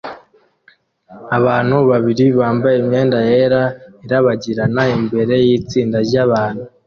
Abantu babiri bambaye imyenda yera irabagirana imbere yitsinda ryabantu